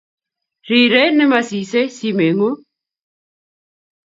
Rirei ne masisei simeng'ung'